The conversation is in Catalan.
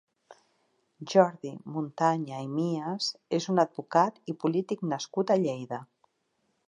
Jordi Montanya i Mías és un advocat i polític nascut a Lleida.